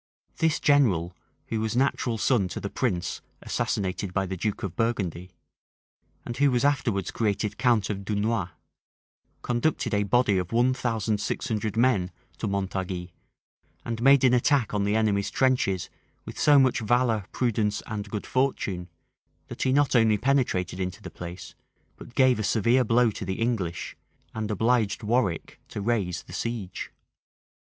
This general, who was natural son to the prince assassinated by the duke of Burgundy, and who was afterwards created count of Dunois, conducted a body of one thousand six hundred men to Montargis, and made an attack on the enemy's trenches with so much valor, prudence, and good fortune, that he not only penetrated into the place, but gave a severe blow to the English, and obliged Warwick to raise the siege.